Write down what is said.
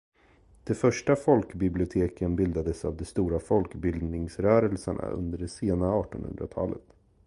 De första folkbiblioteken bildades av de stora folkbildningsrörelserna under det sena artonhundratalet.